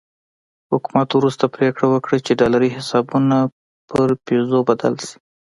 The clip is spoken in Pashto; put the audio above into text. حکومت وروسته پرېکړه وکړه چې ډالري حسابونه پر پیزو بدل شي.